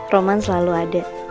roman selalu ada